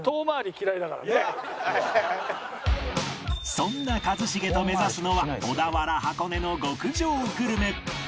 そんな一茂と目指すのは小田原箱根の極上グルメ